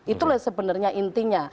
itulah sebenarnya intinya